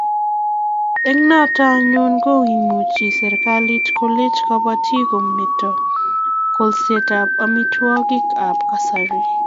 Eng' notok anyun ko imuchi serikalit kolech kabatik kometo kolset ab amitwogik ab kasari